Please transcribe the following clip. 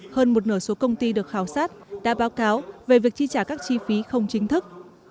hơn một nửa số công ty được khảo sát đã báo cáo về việc chi trả các chi phí không chính thức